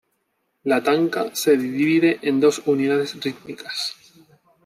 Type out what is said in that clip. La tanka se divide en dos unidades rítmicas.